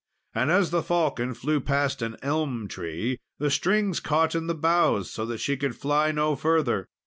And as the falcon flew past an elm tree, the strings caught in the boughs, so that she could fly no further.